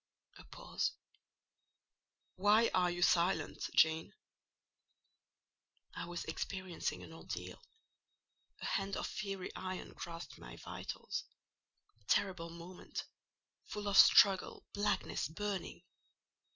A pause. "Why are you silent, Jane?" I was experiencing an ordeal: a hand of fiery iron grasped my vitals. Terrible moment: full of struggle, blackness, burning!